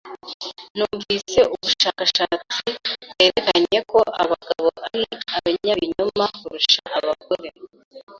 Numvise ubushakashatsi bwerekanye ko abagabo ari abanyabinyoma kurusha abagore.